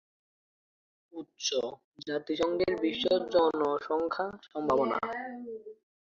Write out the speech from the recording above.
উৎস: "জাতিসংঘের বিশ্ব জনসংখ্যা সম্ভাবনা"